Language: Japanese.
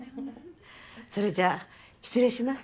それじゃあ失礼します。